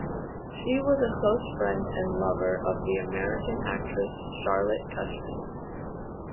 She was a close friend and lover of the American actress Charlotte Cushman.